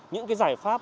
những cái giải pháp